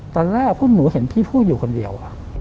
ตอนแรกพวกหนูเห็นพี่พูดอยู่คนเดียว